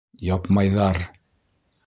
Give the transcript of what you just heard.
Япмайҙар!!!